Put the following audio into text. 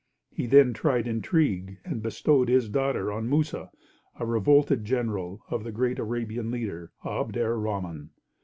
He then tried intrigue, and bestowed his daughter on Musa, a revolted general of the great Arabian leader, Abd er rahman.